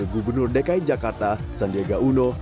gubernur dki jakarta sandiaga uno